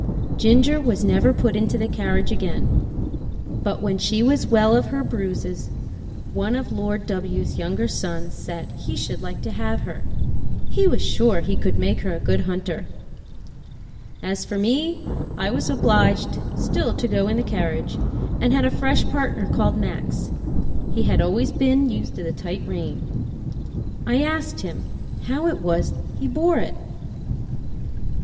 Ginger was never put into the carriage again, but when she was well of her bruises one of the Lord W 's younger sons said he should like to have her; he was sure she would make a good hunter. As for me, I was obliged still to go in the carriage, and had a fresh partner called Max; he had always been used to the tight rein. I asked him how it was he bore it.